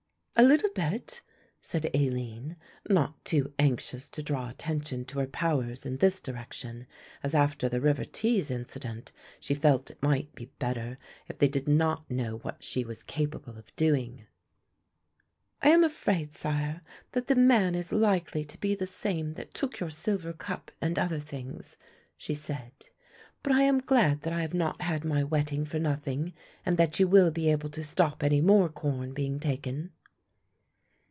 "A little bit," said Aline, not too anxious to draw attention to her powers in this direction; as after the River Tees incident she felt it might be better if they did not know what she was capable of doing. "I am afraid, sire, that the man is likely to be the same that took your silver cup and other things," she said, "but I am glad that I have not had my wetting for nothing, and that you will be able to stop any more corn being taken."